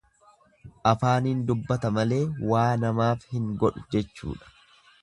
Afaaniin dubbata malee waa namaaf hin godhu jechuudha.